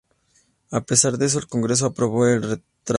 A pesar de eso, el Congreso aprobó el retraso.